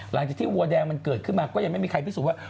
หลังจากที่วัวแดงมันเกิดขึ้นมาก็ยังไม่มีใครพิสูจน์ว่า